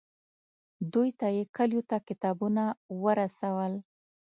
دوی ته یې کلیو ته کتابونه ورسول.